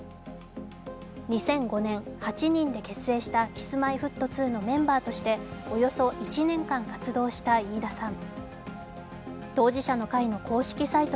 ２００５年、８人で結成したＫｉｓ−Ｍｙ−Ｆｔ２のメンバーとしておよそ１年間、活動した飯田さん。